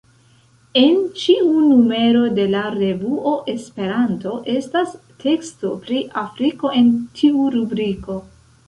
En ĉiu numero de la revuo Esperanto estas teksto pri Afriko en tiu rubriko.